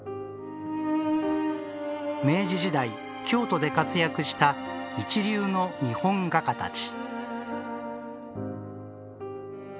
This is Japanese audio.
明治時代、京都で活躍した一流の日本画家たち。